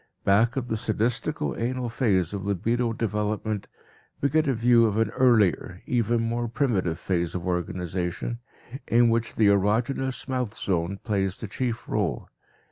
Back of the sadistico anal phase of libido development, we get a view of an earlier, even more primitive phase of organization, in which the erogenous mouth zone plays the chief role.